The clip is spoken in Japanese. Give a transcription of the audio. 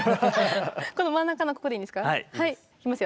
この真ん中のここでいいんですか？